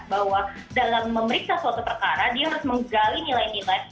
bahwa dalam memeriksa suatu perkara dia harus menggali nilai nilai